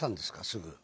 すぐ。